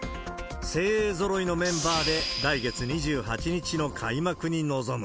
精鋭ぞろいのメンバーで、来月２８日の開幕に臨む。